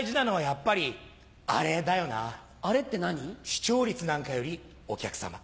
視聴率なんかよりお客さま。